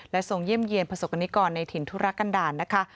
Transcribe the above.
ทรงเยี่ยมเยี่ยนประสบกรณิกรในถิ่นธุรกันดาลนะคะ